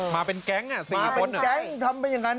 มาเป็นแก๊ง๔เป็นแก๊งทำไปอย่างนั้น